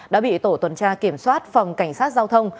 đã bị tổ tuần tra kiểm soát phòng cảnh sát giao thông